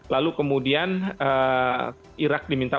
lalu kemudian irak diminta